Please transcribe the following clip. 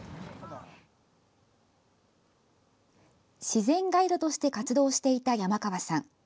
自然ガイドとして活動していた山川さん。